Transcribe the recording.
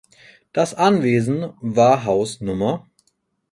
Das Anwesen war Haus Nr.